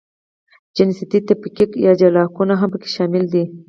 جنسیتي تفکیک یا جلاکونه هم پکې شامل دي.